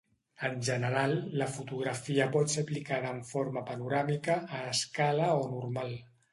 En general, la fotografia pot ser aplicada en forma panoràmica, a escala o normal.